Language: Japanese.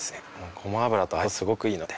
ゴマ油と相性すごくいいので。